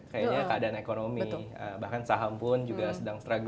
kayaknya keadaan ekonomi bahkan saham pun juga sedang stragu